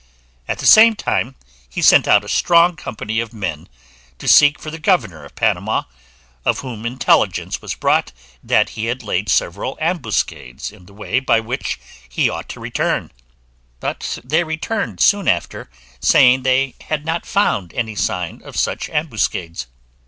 At the same time he sent out a strong company of men to seek for the governor of Panama, of whom intelligence was brought, that he had laid several ambuscades in the way by which he ought to return: but they returned soon after, saying they had not found any sign of any such ambuscades.